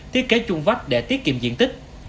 thiết kế chung vách để tiết kiệm diện tích